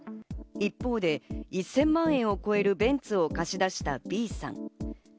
一方で１０００万円を超えるベンツを貸し出したＢさん。